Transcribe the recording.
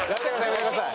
やめてください。